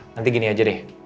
nanti gini aja deh